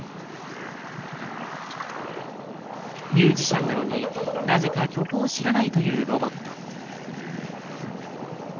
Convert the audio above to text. ミュージシャンなのになぜか曲を知らないというロボット。